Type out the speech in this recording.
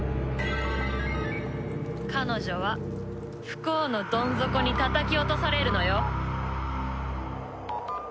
彼女は不幸のどん底にたたき落とされるのよ。